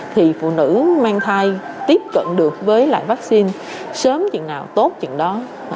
thì phụ nữ mang thai tiếp cận được với lại vaccine sớm chừng nào tốt chừng đó